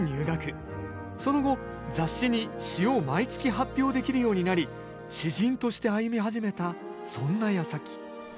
その後雑誌に詩を毎月発表できるようになり詩人として歩み始めたそんなやさき。